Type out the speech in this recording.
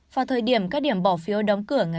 vào thời điểm các điểm bỏ phiếu của nga